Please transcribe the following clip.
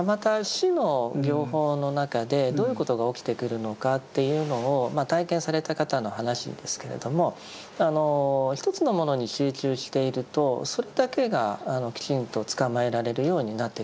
「止」の行法の中でどういうことが起きてくるのかというのを体験された方の話ですけれども一つのものに集中しているとそれだけがきちんとつかまえられるようになってきます。